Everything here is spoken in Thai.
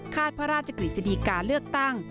พระราชกฤษฎีกาเลือกตั้ง